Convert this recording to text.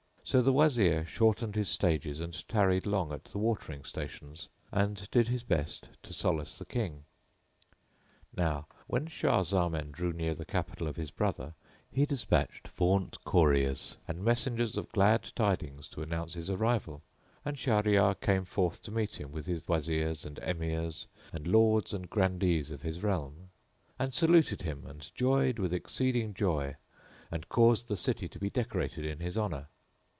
So the Wazir shortened his stages and tarried long at the watering stations and did his best to solace the King. Now when Shah Zaman drew near the capital of his brother he despatched vaunt couriers and messengers of glad tidings to announce his arrival, and Shahryar came forth to meet him with his Wazirs and Emirs and Lords and Grandees of his realm; and saluted him and joyed with exceeding joy and caused the city to be decorated in his honour.